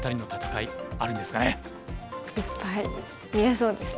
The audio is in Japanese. いっぱい見れそうですね。